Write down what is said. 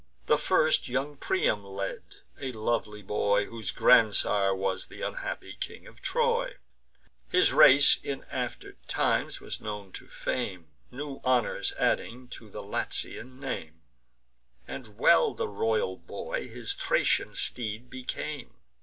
The first young Priam led; a lovely boy, Whose grandsire was th' unhappy king of Troy; His race in after times was known to fame, New honours adding to the Latian name; And well the royal boy his Thracian steed became.